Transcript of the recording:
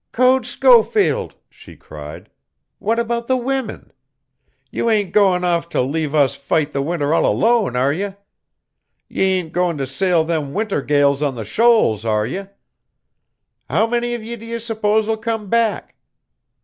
"Code Schofield," she cried, "what about the women? Ye ain't goin' off to leave us fight the winter all alone, are ye? Ye ain't goin' to sail them winter gales on the shoals, are ye? How many of ye do you s'pose will come back?"